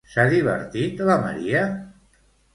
S'ha divertit la Maria?